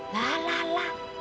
lah lah lah